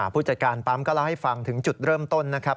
ผู้จัดการปั๊มก็เล่าให้ฟังถึงจุดเริ่มต้นนะครับ